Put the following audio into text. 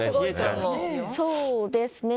そうですね。